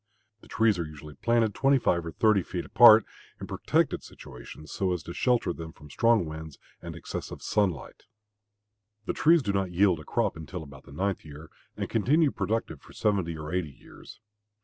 The trees are usually planted twenty five or thirty feet apart, in protected situations, so as to shelter them from strong winds and excessive sunlight. The trees do not yield a crop until about the ninth year and continue productive for seventy or eighty years.